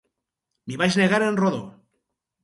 M'hi vaig negar en rodó.